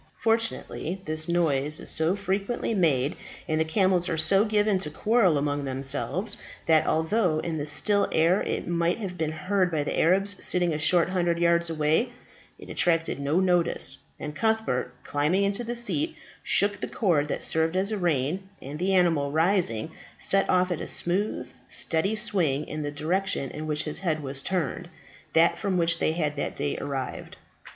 Fortunately this noise is so frequently made, and the camels are so given to quarrel among themselves, that although in the still air it might have been heard by the Arabs sitting a short hundred yards away, it attracted no notice, and Cuthbert, climbing into the seat, shook the cord that served as a rein, and the animal, rising, set off at a smooth, steady swing in the direction in which his head was turned that from which they had that day arrived.